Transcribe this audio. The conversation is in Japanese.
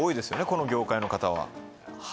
この業界の方は。